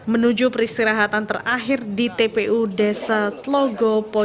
menuju peristirahatan terakhir di tpu desa tlogopo